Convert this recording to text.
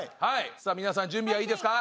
さあ皆さん準備はいいですか？